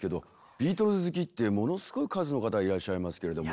ビートルズ好きってものすごい数の方いらっしゃいますけれども。